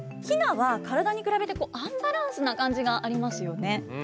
ヒナは体に比べてアンバランスな感じがありますよね。